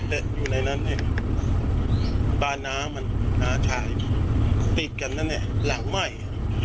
แต่อยู่ในนั้นเนี่ยบ้านน้ามันน้าชายติดกันนะเนี่ยหลังใหม่